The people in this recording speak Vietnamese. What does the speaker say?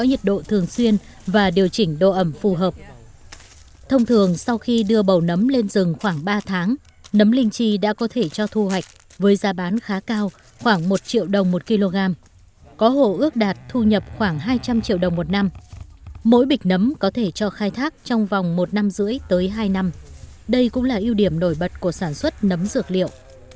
những vạt đất đồi trồng nấm đã có thể cho thu hoạch với giá bán khá cao khoảng một triệu đồng một kg có hộ ước đạt thu nhập khoảng hai trăm linh triệu đồng một năm mỗi bịch nấm có thể cho khai thác trong vòng một năm rưỡi tới hai năm đây cũng là ưu điểm nổi bật của sản xuất nấm dược liệu